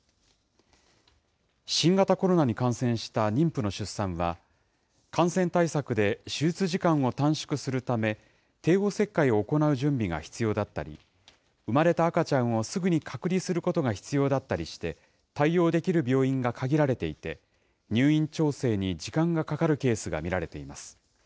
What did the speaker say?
新型コロナに感染した妊婦の出産は、感染対策で手術時間を短縮するため、帝王切開を行う準備が必要だったり、産まれた赤ちゃんをすぐに隔離することが必要だったりして、対応できる病院が限られていて、入院調整に時間がかかるケースが見られています。